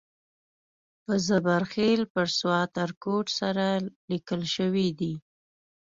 په زبر خېل بر سوات ارکوټ سره لیکل شوی دی.